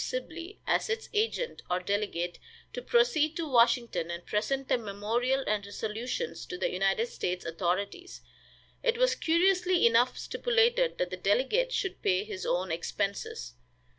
Sibley as its agent or delegate, to proceed to Washington and present the memorial and resolutions to the United States authorities. It was curiously enough stipulated that the delegate should pay his own expenses.